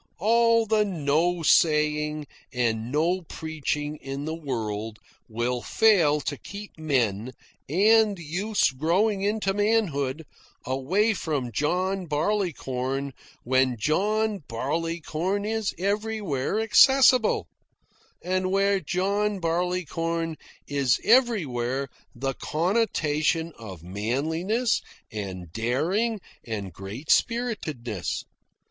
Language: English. All the no saying and no preaching in the world will fail to keep men, and youths growing into manhood, away from John Barleycorn when John Barleycorn is everywhere accessible, and where John Barleycorn is everywhere the connotation of manliness, and daring, and great spiritedness.